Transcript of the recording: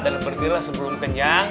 dan berdirilah sebelum kenyang